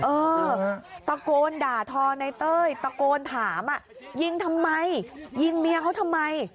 เออตะโกนด่าทอในเต้ยตะโกนถามยิงทำไมยิงเมียเขาทำไม